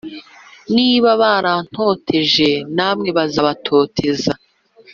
Niba barantoteje namwe bazabatoteza